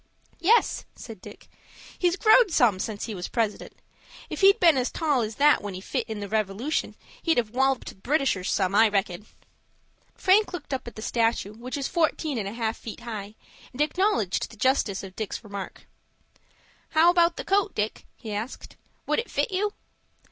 "Yes," said Dick; "he's growed some since he was President. If he'd been as tall as that when he fit in the Revolution, he'd have walloped the Britishers some, I reckon." Frank looked up at the statue, which is fourteen and a half feet high, and acknowledged the justice of Dick's remark. "How about the coat, Dick?" he asked. "Would it fit you?"